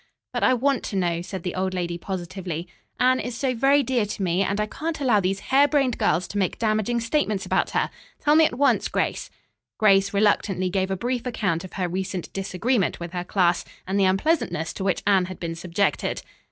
"But I want to know," said the old lady positively. "Anne is so very dear to me, and I can't allow these hare brained girls to make damaging statements about her. Tell me at once, Grace." Grace reluctantly gave a brief account of her recent disagreement with her class and the unpleasantness to which Anne had been subjected.